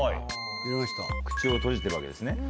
口を閉じてるわけですね。